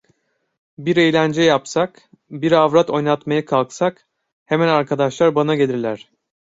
Bir eğlence yapsak, bir avrat oynatmaya kalksak hemen arkadaşlar bana gelirler.